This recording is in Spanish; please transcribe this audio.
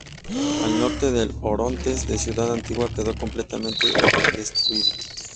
Al norte del Orontes, la ciudad antigua, quedó completamente destruida.